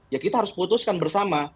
ya kita harus putuskan bersama